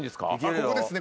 ここですね。